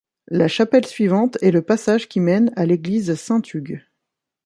La chapelle suivante est le passage qui mène à l'église Saint-Hugues.